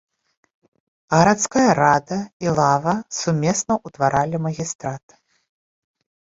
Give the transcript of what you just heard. Гарадская рада і лава сумесна ўтваралі магістрат.